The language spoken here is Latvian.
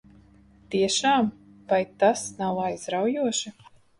Tiešām? Vai tas nav aizraujoši?